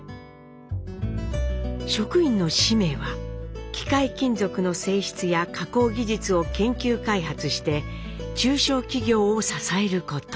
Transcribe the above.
職員の使命は機械金属の性質や加工技術を研究開発して中小企業を支えること。